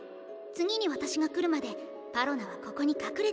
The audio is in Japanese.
次に私が来るまでパロナはここに隠れているの。